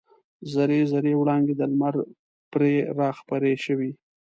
زر زري وړانګې د لمر پرې راخپرې شوې.